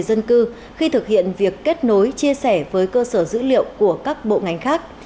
dân cư khi thực hiện việc kết nối chia sẻ với cơ sở dữ liệu của các bộ ngành khác và các bộ ngành khác